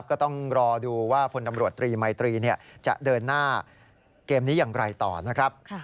ก็ต้องรอดูว่าพลตำรวจตรีมัยตรีจะเดินหน้าเกมนี้อย่างไรต่อนะครับ